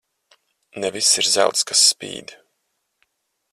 Ne viss ir zelts, kas spīd.